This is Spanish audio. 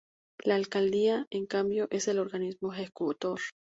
La Alcaldía, en cambio, es el organismo ejecutor.